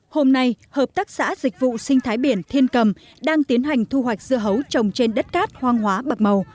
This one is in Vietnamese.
hôm nay hợp tác xã dịch vụ sinh thái biển thiên cầm đang tiến hành thu hoạch dưa hấu trồng trên đất cát hoang hóa bạc màu